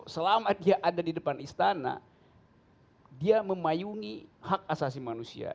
selama dia ada di depan istana dia memayungi hak asasi manusia